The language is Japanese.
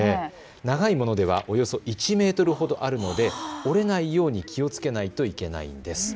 長いものではおよそ１メートルほどあるので折れないように気をつけないといけないんです。